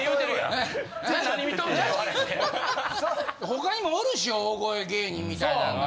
他にもおるし大声芸人みたいなんが。